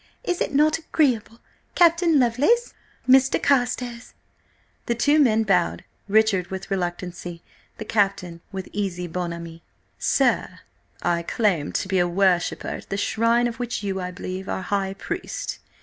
Is it not agreeable? Captain Lovelace–Mr. Carstares." The two men bowed, Richard with reluctancy, the Captain with easy bonhomie. "Sir, I claim to be a worshipper at the shrine of which you, I believe, are High Priest!"